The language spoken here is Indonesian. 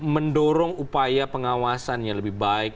mendorong upaya pengawasan yang lebih baik